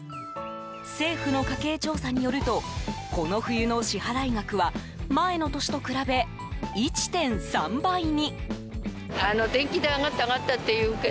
政府の家計調査によるとこの冬の支払額は前の年と比べ１．３倍に。